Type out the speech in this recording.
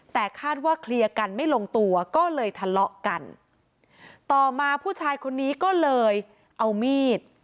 แต่คาดว่าเคลียร์กันไม่ลงตัวก็เลยทะเลาะกันต่อมาผู้ชายคนนี้ก็เลยเอามีด